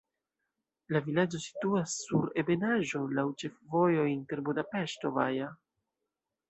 La vilaĝo situas sur ebenaĵo, laŭ ĉefvojo inter Budapeŝto-Baja.